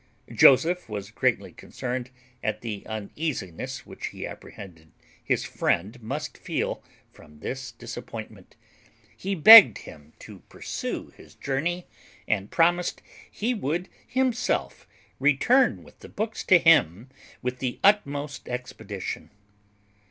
Joseph was greatly concerned at the uneasiness which he apprehended his friend must feel from this disappointment; he begged him to pursue his journey, and promised he would himself return with the books to him with the utmost expedition.